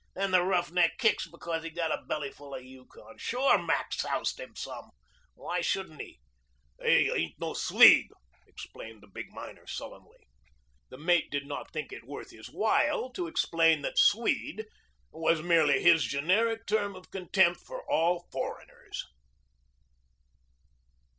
Then the roughneck kicks because he got a belly full of Yukon. Sure Mac soused him some. Why shouldn't he?" "I ain't no Swede," explained the big miner sullenly. The mate did not think it worth his while to explain that "Swede" was merely his generic term of contempt for all foreigners.